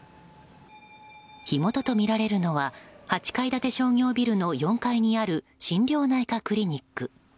火元とみられるのは８階建て商業ビルの４階にある心療内科クリニック。